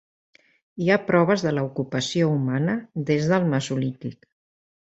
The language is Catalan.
Hi ha proves de la ocupació humana des del mesolític.